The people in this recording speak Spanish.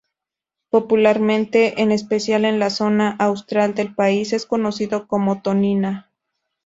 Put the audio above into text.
Popularmente, en especial en la zona austral del país, es conocido como "tonina".